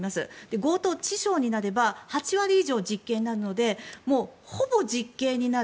強盗致傷になれば８割以上実刑になるのでもうほぼ実刑になる。